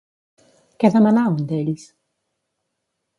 Què demanà un d'ells?